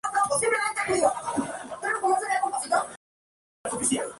Y Arlene M. Cox.